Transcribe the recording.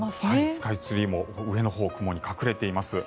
スカイツリーも上のほう、雲に隠れています。